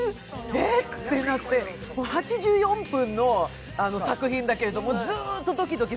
あってなって、８４分の作品だけれども、ずっとドキドキ。